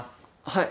はい。